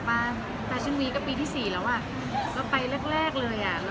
แปชชั่นวีก็ปีที่สี่แล้วอ่ะก็ไปเรากเรากเลยอ่ะ